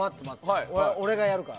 俺がやるから。